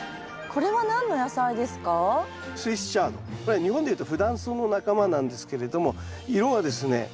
これは日本でいうとフダンソウの仲間なんですけれども色はですね